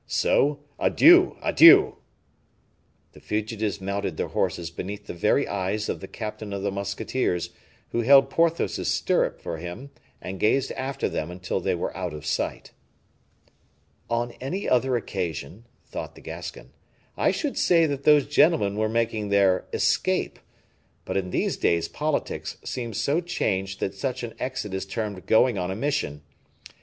So adieu! adieu!" The fugitives mounted their horses beneath the very eyes of the captain of the musketeers, who held Porthos's stirrup for him, and gazed after them until they were out of sight. "On any other occasion," thought the Gascon, "I should say that those gentlemen were making their escape; but in these days politics seem so changed that such an exit is termed going on a mission.